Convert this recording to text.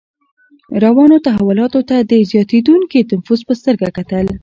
روانو تحولاتو ته د زیاتېدونکي نفوذ په سترګه کتل.